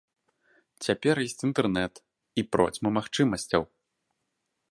Цяпер ёсць інтэрнэт і процьма магчымасцяў.